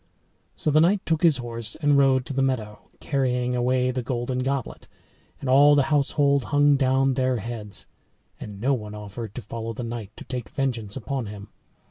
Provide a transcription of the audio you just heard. So the knight took his horse and rode to the meadow, carrying away the golden goblet. And all the household hung down their heads and no one offered to follow the knight to take vengeance upon him.